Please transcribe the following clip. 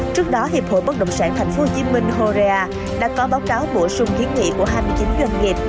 trước đó hiệp hội bất động sản tp hcm horea đã có báo cáo bổ sung kiến nghị của hai mươi chín doanh nghiệp